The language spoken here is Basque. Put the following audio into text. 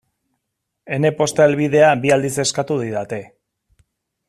Ene posta helbidea bi aldiz eskatu didate.